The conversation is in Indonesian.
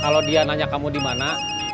kalau dia nanya kamu di mana